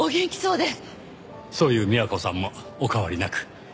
そういう美和子さんもお変わりなく。